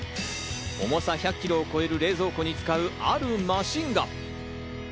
重さ１００キロを超える冷蔵庫に使う、あるマシンが。